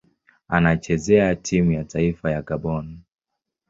Anachezea timu ya taifa ya Gabon.